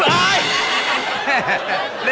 เท่าไร